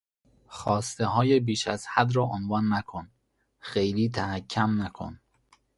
خواستههای بیش از حد را عنوان نکن!، خیلی تحکم نکن!